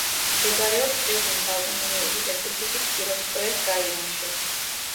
მდებარეობს ყირიმის ავტონომიური რესპუბლიკის კიროვსკოეს რაიონში.